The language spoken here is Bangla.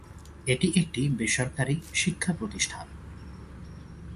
এটি একটি বেসরকারি শিক্ষা প্রতিষ্ঠান।